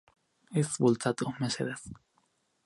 Ez bultzatu, mesedez.